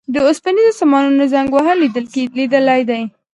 د اوسپنیزو سامانونو زنګ وهل لیدلي دي.